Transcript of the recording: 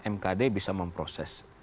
mkd bisa memproses